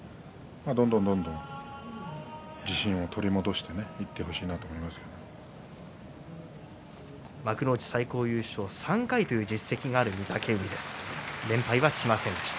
どんどんどんどん自信を取り戻していってほしいな幕内最高優勝３回という実績があります。